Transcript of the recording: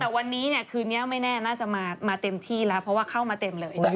แต่วันนี้คืนนี้ไม่แน่น่าจะมาเต็มที่แล้วเพราะว่าเข้ามาเต็มเลย